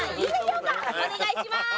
評価お願いします。